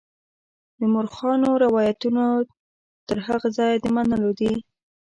د مورخانو روایتونه تر هغه ځایه د منلو دي.